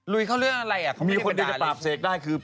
ลุยเขาเรื่องอะไรอ่ะเขาไม่ได้ไปด่าอะไรมีคนที่จะปราบเสกได้คือ